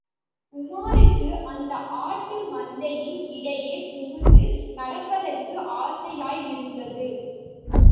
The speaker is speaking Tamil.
உமாருக்கு அந்த ஆட்டு மந்தையின் இடையே புகுந்து நடப்பதற்கு ஆசையாயிருந்தது.